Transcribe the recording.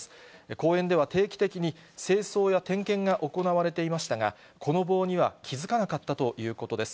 公園では定期的に清掃や点検が行われていましたが、この棒には気付かなかったということです。